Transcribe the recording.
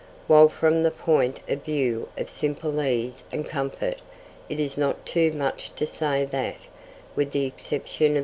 While from the point of view of simple ease and comfort, it is not too much to say that, with the exception of M.